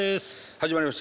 始まりました！